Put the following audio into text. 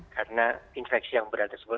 karena infeksi yang berat tersebut